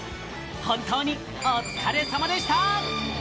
本当にお疲れ様でした！